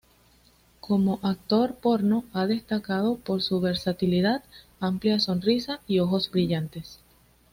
Como actor porno ha destacado por su versatilidad, amplia sonrisa y ojos brillantes.